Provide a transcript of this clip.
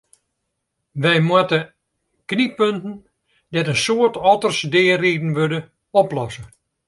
We moatte knyppunten dêr't in soad otters deariden wurde, oplosse.